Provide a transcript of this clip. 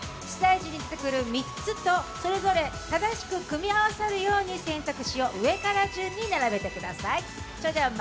ステージに出てくる３つとそれぞれ正しく組み合わさるように選択肢を上から順に並べてください。